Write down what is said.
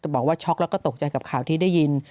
บอกว่าช็อกแล้วก็ตกใจกับข่าวที่ได้ยิน